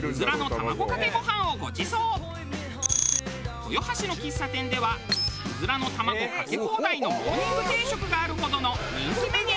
豊橋の喫茶店ではうずらの卵かけ放題のモーニング定食があるほどの人気メニュー。